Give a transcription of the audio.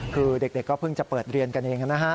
คือเด็กก็เพิ่งจะเปิดเรียนกันเองนะฮะ